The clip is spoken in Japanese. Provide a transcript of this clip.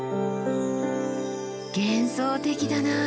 幻想的だな。